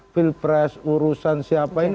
pilpres urusan siapain